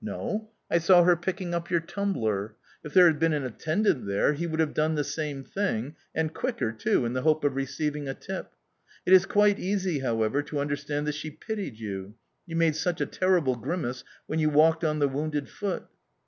"No. I saw her picking up your tumbler. If there had been an attendant there he would have done the same thing and quicker too, in the hope of receiving a tip. It is quite easy, however, to understand that she pitied you; you made such a terrible grimace when you walked on the wounded foot."